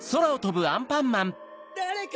・だれか！